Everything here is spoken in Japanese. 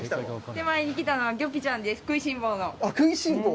手前に来たのはぎょぴちゃんです、食いしん坊の。